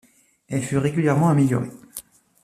Elle fut régulièrement améliorée.